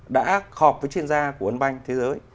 đã họp với chuyên gia của un banh thế giới